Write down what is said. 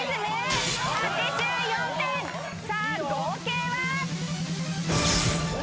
さあ合計は。